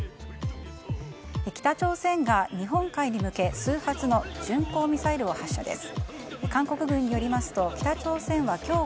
北朝鮮が日本海に向け数発の巡航ミサイルを発射です。